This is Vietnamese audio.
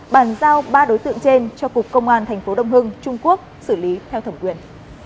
bàn giao ba đối tượng trên cho cục công an thành phố đông hưng trung quốc xử lý theo thẩm quyền